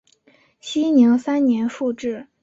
熙宁三年复置。